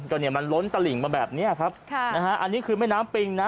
ก็เนี่ยมันล้นตะหลิ่งมาแบบนี้ครับอันนี้คือแม่น้ำปิงนะ